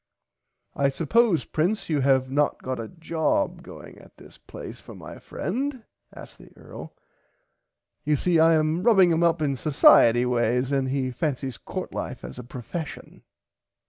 I suppose Prince you have not got a job going at this palace for my friend asked the earl you see I am rubbing him up in socierty ways and he fancies court life as a professhon.